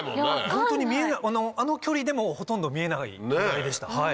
ホントにあの距離でもほとんど見えないくらいでした。